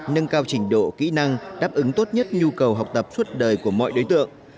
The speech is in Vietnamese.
nâng cao trình độ kỹ năng đáp ứng tốt nhất nhu cầu học tập suốt đời của mọi đối tượng